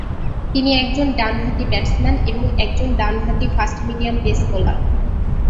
তিনি একজন ডান-হাতি ব্যাটসম্যান, এবং একজন ডান-হাতি ফাস্ট-মিডিয়াম পেস বোলার।